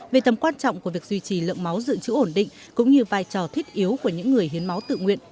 về tầm quan trọng của việc duy trì lượng máu dự trữ ổn định cũng như vai trò thiết yếu của những người hiến máu tự nguyện